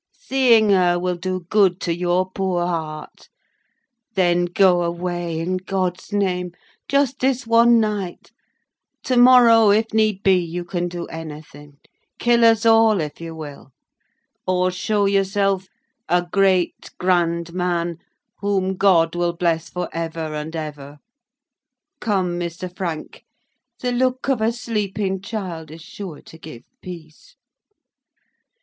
Seeing her will do good to your poor heart. Then go away, in God's name, just this one night—to morrow, if need be, you can do anything—kill us all if you will, or show yourself—a great grand man, whom God will bless for ever and ever. Come, Mr. Frank, the look of a sleeping child is sure to give peace."